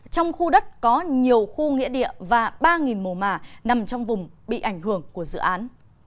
trong khu đất có nhiều khu nghĩa địa và ba mồ mả nằm trong vùng bị ảnh hưởng của dự án